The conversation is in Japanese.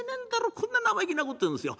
こんな生意気なこと言うんですよ。